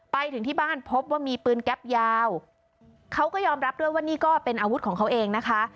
ไปถึงที่บ้านพบว่ามีปืนแก๊ปยาวเขาก็ยอมรับด้วยว่านี่ก็เป็นอาวุธของเขาเองนะคะ